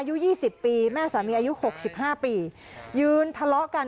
อายุยี่สิบปีแม่สามีอายุหกสิบห้าปียืนทะเลาะกัน